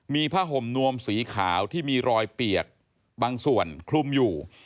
มีผ้าห่มนวมสีขาวที่มีรอยเปียกบางส่วนคลุมอยู่